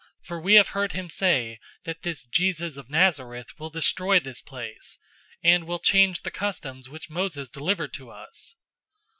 006:014 For we have heard him say that this Jesus of Nazareth will destroy this place, and will change the customs which Moses delivered to us."